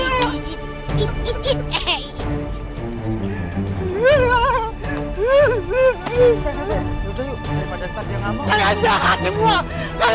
udah yuk daripada saat yang ngamuk